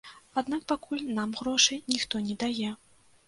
Аднак пакуль нам грошай ніхто не дае.